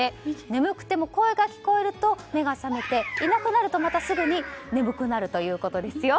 眠くても声が聞こえると目が覚めて、いなくなるとまたすぐに眠くなるということですよ。